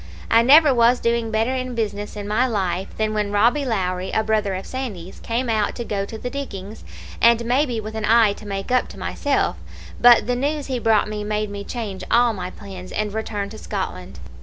I never was doing better in business in my life than when Robbie Lowrie, a brother of Sandy's, came out to go to the diggings, and maybe with an eye to make up to myself; but the news he brought me made me change all my plans and return to Scotland.